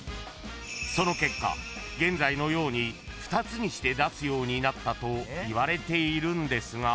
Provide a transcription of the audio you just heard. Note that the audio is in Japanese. ［その結果現在のように２つにして出すようになったといわれているんですが］